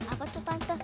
apa tuh tante